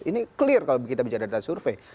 ini clear kalau kita bicara data survei